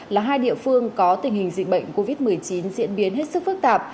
là hai địa phương có tình hình dịch bệnh covid một mươi chín diễn biến hết sức phức tạp